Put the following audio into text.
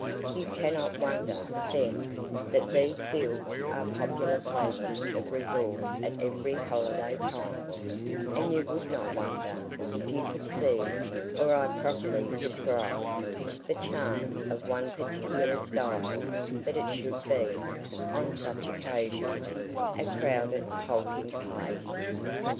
You cannot wonder, then, that these fields are popular places of resort at every holiday time; and you would not wonder, if you could see, or I properly describe, the charm of one particular stile, that it should be, on such occasions, a crowded halting place.